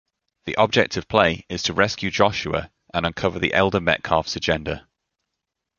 The object of play is to rescue Joshua and uncover the elder Metcalf's agenda.